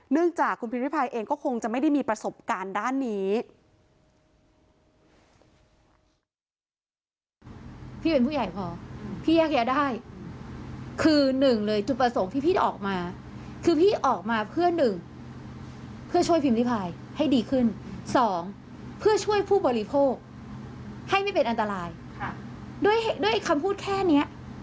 จากคุณพิมพิพายเองก็คงจะไม่ได้มีประสบการณ์ด้านนี้